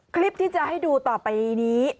คลิปที่จะให้ดูต่อไปนี้